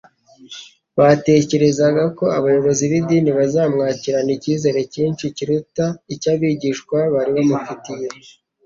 Batekerezaga ko abayobozi b'idini bazamwakirana icyizere cyinshi kiruta icy'abigishwa bari bamufitiye.